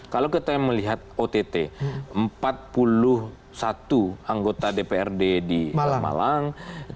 kalau kita melihat ott empat puluh satu anggota dprd di malang